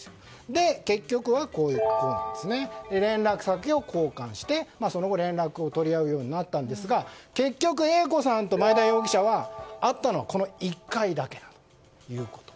で、結局は連絡先を交換してその後、連絡を取り合うようになったんですが結局、Ａ子さんとマエダ容疑者が会ったのはこの１回だけということ。